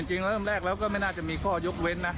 จริงเริ่มแรกแล้วก็ไม่น่าจะมีข้อยกเว้นนะ